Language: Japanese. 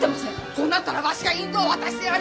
こうなったらわしが引導を渡してやる！